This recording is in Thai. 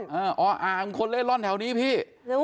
อ๋ออ่าเป็นคนเล่นร่อนแถวนี้พี่